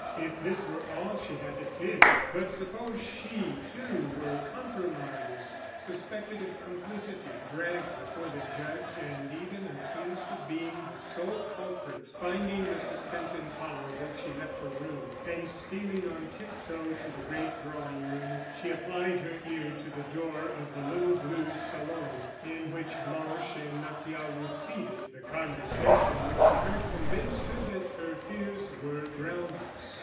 If this were all she had to fear! But suppose she, too, were compromised, suspected of complicity, dragged before the judge, and even accused of being the sole culprit! Finding the suspense intolerable, she left her room; and, stealing on tiptoe to the great drawing room, she applied her ear to the door of the little blue salon, in which Blanche and Martial were seated. The conversation which she heard convinced her that her fears were groundless.